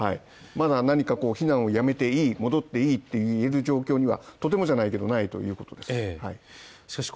まだ何かこう避難を止めて良い戻っていいって言える状況にはとてもじゃないけどないということです